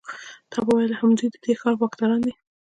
تا به ویل همدوی د دې ښار واکداران دي.